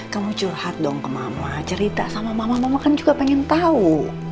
kamu curhat dong ke mama cerita sama mama mama kan juga pengen tahu